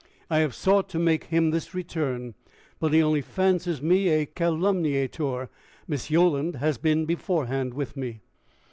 "I have sought to make him this return, but he only fancies me a calumniator. Miss Yolland has been beforehand with me."